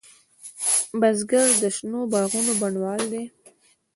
بزګر د شنو باغونو بڼوال دی